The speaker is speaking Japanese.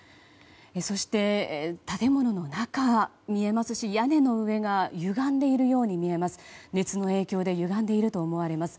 そして、建物の中が見えますが屋根の上がゆがんでいるように見えます。